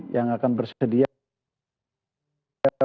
yang akan bersedia